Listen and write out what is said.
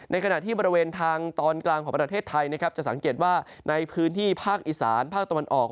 ขณะที่บริเวณทางตอนกลางของประเทศไทยนะครับจะสังเกตว่าในพื้นที่ภาคอีสานภาคตะวันออก